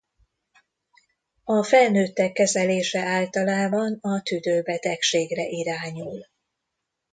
A felnőttek kezelése általában a tüdőbetegségre irányul.